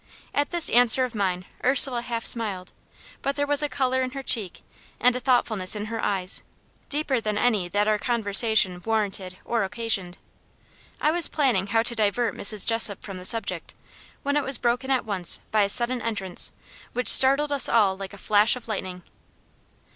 At this answer of mine Ursula half smiled: but there was a colour in her cheek, and a thoughtfulness in her eyes, deeper than any that our conversation warranted or occasioned. I was planning how to divert Mrs. Jessop from the subject, when it was broken at once by a sudden entrance, which startled us all like a flash of lightning.